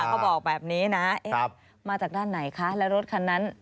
เขาบอกแบบนี้นะมาจากด้านไหนคะแล้วรถคันนั้น